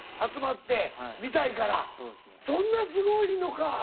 そんなすごいのか！